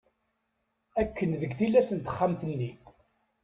Akken deg tillas n texxamt-nni.